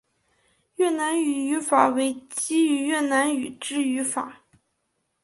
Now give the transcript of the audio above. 越南语语法为基于越南语之语法。